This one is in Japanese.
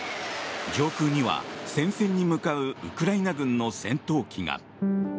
上空には戦線に向かうウクライナ軍の戦闘機が。